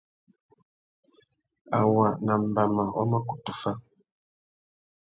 Awa nà mbama wa mà kutu fá.